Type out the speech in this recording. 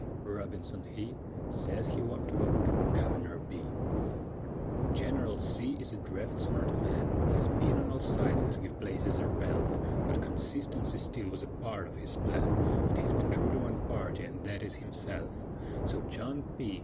Robinson he Sez he wunt vote fer Guvener B. Gineral C. is a dreffle smart man: He's ben on all sides thet give places or pelf; But consistency still wuz a part of his plan, He's ben true to one party, an' thet is himself; So John P.